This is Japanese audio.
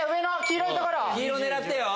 黄色狙ってよ！